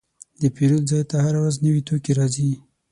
د پیرود ځای ته هره ورځ نوي توکي راځي.